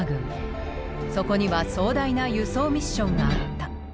そこには壮大な輸送ミッションがあった。